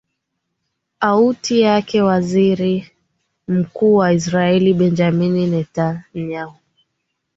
auti yake waziri mkuu wa israel benjamin netanyahu